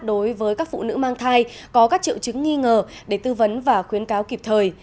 đối với các phụ nữ mang thai có các triệu chứng nghi ngờ để tư vấn và khuyến cáo kịp thời